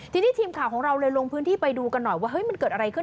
ทีนี้ทีมข่าวของเราเลยลงพื้นที่ไปดูกันหน่อยว่าเฮ้ยมันเกิดอะไรขึ้น